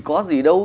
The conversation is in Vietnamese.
có gì đâu